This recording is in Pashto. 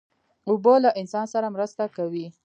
اوبه له انسان سره مرسته کوي.